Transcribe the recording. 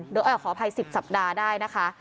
เดี๋ยวขออภัย๑๐สัปดาห์ได้นะคะ